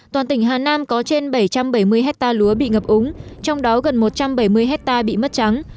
toàn tỉnh hà nam có trên bảy trăm bảy mươi hectare lúa bị ngập úng trong đó gần một trăm bảy mươi hectare bị mất trắng